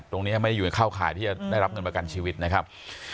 ตรงนี้ไม่ได้อยู่ในเข้าข่ายที่จะได้รับเงินประกันชีวิตนะครับ